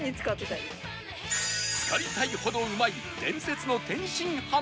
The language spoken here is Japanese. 浸かりたいほどうまい伝説の天津飯まで